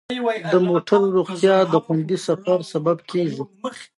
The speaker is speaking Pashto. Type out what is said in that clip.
د موټرو روغتیا د خوندي سفر سبب کیږي.